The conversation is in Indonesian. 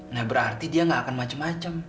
nah berarti dia gak akan macem macem